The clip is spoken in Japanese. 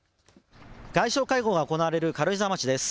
外相会合が行われる軽井沢町です。